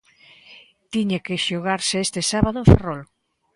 Tiña que xogarse este sábado en Ferrol.